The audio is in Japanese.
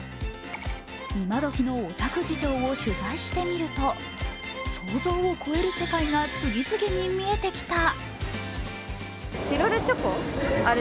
イマドキのオタク事情を取材してみると想像を超える世界が次々に見えてきた。